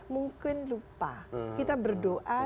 mungkin lupa kita berdoa